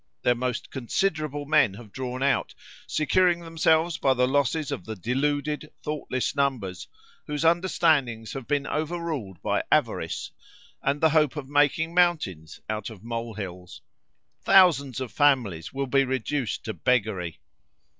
Their most considerable men have drawn out, securing themselves by the losses of the deluded, thoughtless numbers, whose understandings have been overruled by avarice and the hope of making mountains out of mole hills. Thousands of families will be reduced to beggary.